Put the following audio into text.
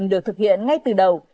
được thực hiện ngay từ đầu